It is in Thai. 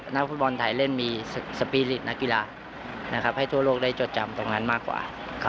นักฟุตบอลไทยเล่นมีสปีริตนักกีฬาให้ทั่วโลกได้จดจำตรงนั้นมากกว่า